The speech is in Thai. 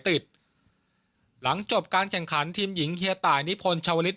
ติดหลังจบการแข่งขันทีมหญิงเฮียตายนิพลชาวลิศ